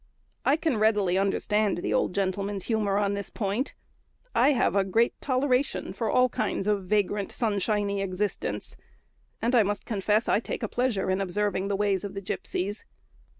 I can readily understand the old gentleman's humour on this point; I have a great toleration for all kinds of vagrant, sunshiny existence, and must confess I take a pleasure in observing the ways of gipsies.